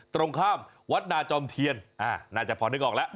ตรงข้ามวัดนาจอมเทียนน่าจะพอนึกออกแล้ว